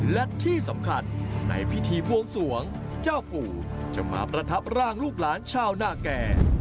และที่สำคัญในพิธีบวงสวงเจ้าปู่จะมาประทับร่างลูกหลานชาวหน้าแก่